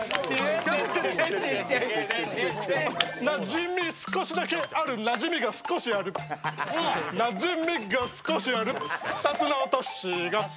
なじみ少しだけある、なじみ少しあるなじみが少しある、タツノオトシゴ。